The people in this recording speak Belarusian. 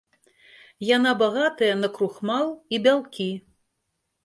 Яна багатая на крухмал і бялкі.